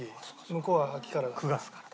向こうは秋からだから。